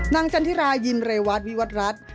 จันทิรายินเรวัตวิวัตรรัฐ